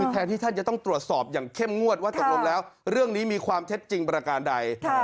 แทนที่ท่านจะต้องตรวจสอบอย่างเข้มงวดว่าตกลงแล้วเรื่องนี้มีความเท็จจริงประการใด